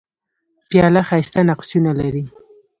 پیاله ښايسته نقشونه لري.